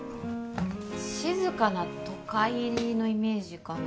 静かな都会のイメージかな